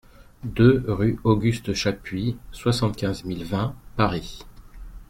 deux rue Auguste Chapuis, soixante-quinze mille vingt Paris